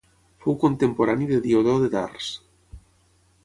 Fou contemporani de Diodor de Tars.